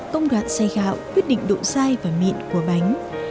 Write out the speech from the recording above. công đoạn xay gạo quyết định độ dai và mịn của bánh